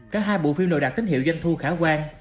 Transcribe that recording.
các hai bộ phim nội đạt tín hiệu doanh thu khả quan